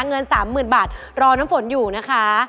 เงิน๓๐๐๐บาทรอน้ำฝนอยู่นะคะ